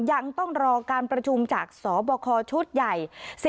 ยังต้องรอการประชุมจากสบคชุดใหญ่